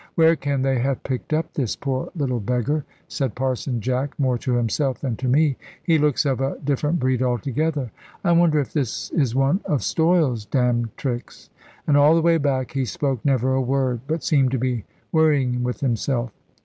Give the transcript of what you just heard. "Where can they have picked up this poor little beggar?" said Parson Jack, more to himself than to me: "he looks of a different breed altogether. I wonder if this is one of Stoyle's damned tricks." And all the way back he spoke never a word, but seemed to be worrying with himself.